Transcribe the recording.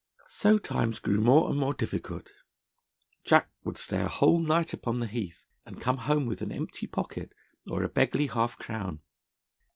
So times grew more and more difficult. Jack would stay a whole night upon the heath, and come home with an empty pocket or a beggarly half crown.